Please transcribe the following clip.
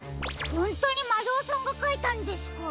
ほんとにまるおさんがかいたんですか？